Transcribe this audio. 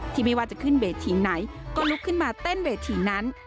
ไม่ว่าจะขึ้นเวทีไหนก็ลุกขึ้นมาเต้นเวทีนั้น